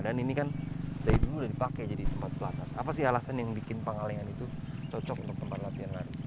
dan ini kan dari dulu sudah dipakai jadi tempat pelatas apa sih alasan yang membuat pangalengan itu cocok untuk tempat latihan lari